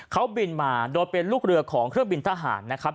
เขาบินมาโดยเป็นลูกเรือของเครื่องบินทหารนะครับ